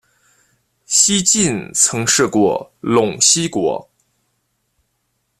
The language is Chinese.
西晋曾设过陇西国。